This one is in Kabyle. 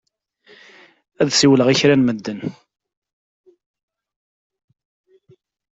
Ad siwleɣ i kra n medden.